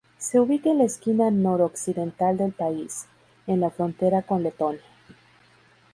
Se ubica en la esquina noroccidental del país, en la frontera con Letonia.